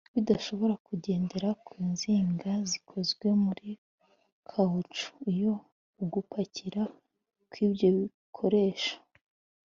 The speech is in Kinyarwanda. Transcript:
bidashobora kugendera ku nziga zikozwe muri kawucu iyo ugupakira kw ibyo bikoresho